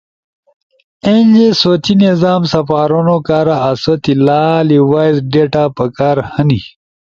اینجے سوتی نظام سپارونو کارا آسو تی لالی وائس ڈیٹا پکار ہنی۔